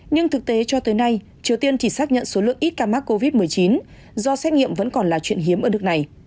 nhưng thực tế cho tới nay triều tiên chỉ xác nhận số lượng ít ca mắc covid một mươi chín do xét nghiệm vẫn còn là chuyện hiếm ở nước này